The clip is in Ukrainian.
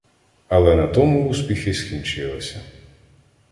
Але на тому успіхи скінчилися.